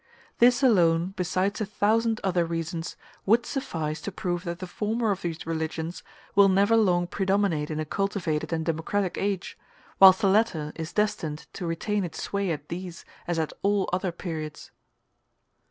This alone, besides a thousand other reasons, would suffice to prove that the former of these religions will never long predominate in a cultivated and democratic age, whilst the latter is destined to retain its sway at these as at all other periods.